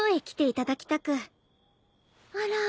あら。